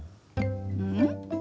うん？